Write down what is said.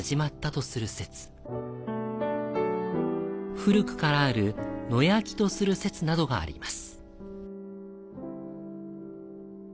古くからある野焼きとする説などがあります。